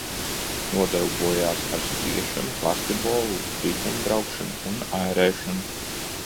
Nodarbojās ar skriešanu, basketbolu, riteņbraukšanu un airēšanu.